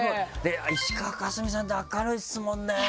石川佳純さんって明るいですもんね！